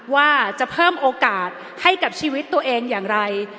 ว่าจะเพิ่มโอกาสให้กับชีวิตตัวเองอย่างไร